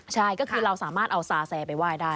ใช่ก็คือเราสามารถเอาซาแซไปไหว้ได้